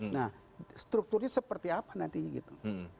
nah strukturnya seperti apa nantinya gitu